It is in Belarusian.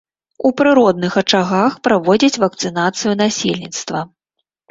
У прыродных ачагах праводзяць вакцынацыю насельніцтва.